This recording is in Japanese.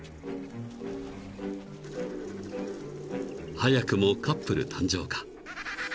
［早くもカップル誕生か］